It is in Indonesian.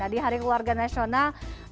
di hari keluarga nasional